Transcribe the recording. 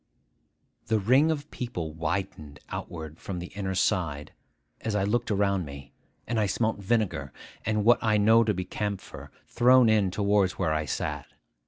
The ring of people widened outward from the inner side as I looked around me; and I smelt vinegar, and what I know to be camphor, thrown in towards where I sat.